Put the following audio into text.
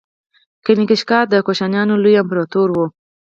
کنیشکا د کوشانیانو لوی امپراتور و